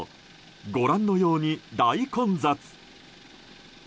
ご覧のように、大混雑。